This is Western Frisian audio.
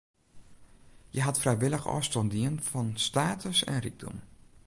Hja hat frijwillich ôfstân dien fan status en rykdom.